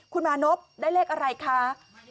คุณมานพได้เลขอะไรคะ